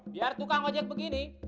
biar tukang ojek begini